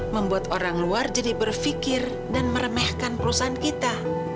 membuat orang luar jadi berfikir dan meremehkan perusahaan kita